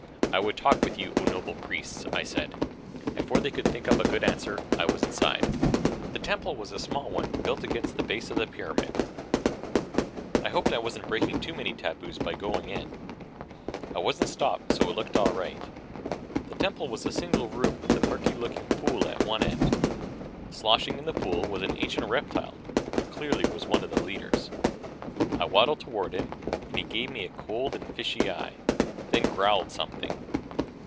"I would talk with you, O noble priests," I said. Before they could think up a good answer, I was inside. The temple was a small one built against the base of the pyramid. I hoped I wasn't breaking too many taboos by going in. I wasn't stopped, so it looked all right. The temple was a single room with a murky looking pool at one end. Sloshing in the pool was an ancient reptile who clearly was one of the leaders. I waddled toward him and he gave me a cold and fishy eye, then growled something.